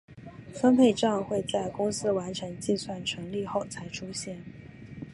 分配帐会在公司完成计算纯利后才出现。